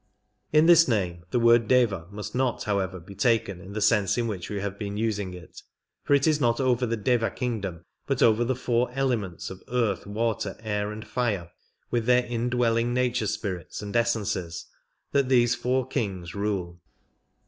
In this name the word Deva must not, how ever, be taken in the sense in which we have been using it, for it is not over the Deva kingdom but over the four elements " of earth, water, air, and fire, with their indwell ing nature spirits and essences, that these four Kings rule.